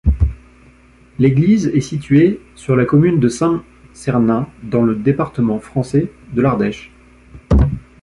L'église est située sur la commune de Saint-Sernin, dans le département français de l'Ardèche.